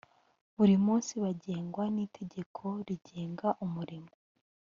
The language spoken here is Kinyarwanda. buri munsi bagengwa n itegeko rigenga umurimo